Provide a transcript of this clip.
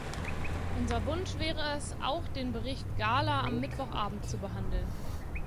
Unser Wunsch wäre es, auch den Bericht Gahler am Mittwochabend zu behandeln.